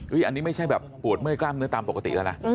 อันนี้ไม่ใช่แบบปวดเมื่อยกล้ามเนื้อตามปกติแล้วนะ